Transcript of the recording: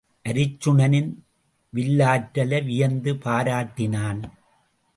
அருச்சுனனின் வில்லாற்றலை வியந்து பாராட்டினான்.